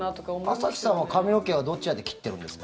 朝日さんは髪の毛はどちらで切ってるんですか？